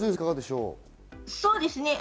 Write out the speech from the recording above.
そうですね。